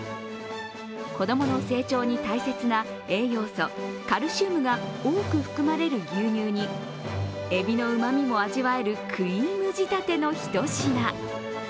子どもの成長に大切な栄養素カルシウムが多く含まれる牛乳にえびのうまみも味わえるクリーム仕立てのひと品。